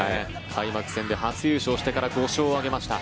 開幕戦で初優勝してから５勝を挙げました。